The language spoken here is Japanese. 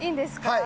はい。